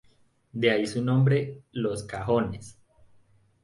De ahí su nombre Los Cajones.